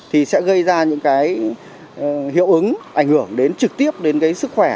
thì sẽ gây ra những hiệu ứng ảnh hưởng trực tiếp đến sức khỏe